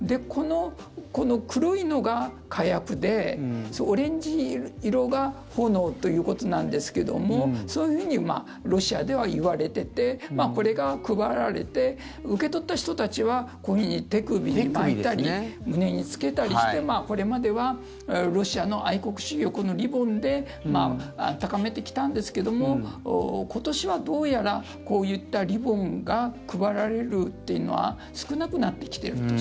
この黒いのが火薬でオレンジ色が炎ということなんですけどもそういうふうにロシアではいわれていてこれが配られて受け取った人たちはこういうふうに手首に巻いたり胸につけたりしてこれまではロシアの愛国主義をこのリボンで高めてきたんですけども今年はどうやらこういったリボンが配られるっていうのは少なくなってきていると。